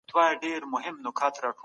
آیا کډه په شا ژوند د ټولني یوه بڼه ده؟